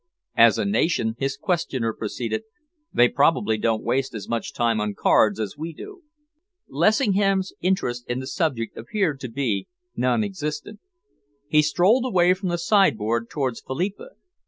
"As a nation," his questioner proceeded, "they probably don't waste as much time on cards as we do." Lessingham's interest in the subject appeared to be non existent. He strolled away from the sideboard towards Philippa.